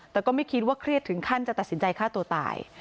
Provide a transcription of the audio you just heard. แต่ก็ไม่คิดว่าเครียดถึงขั้นจะตัดสินใจฆ่าตัวตาย